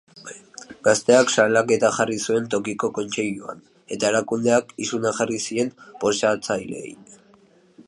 Gazteak salaketa jarri zuen tokiko kontseiluan, eta erakundeak isuna jarri zien bortxatzaileei.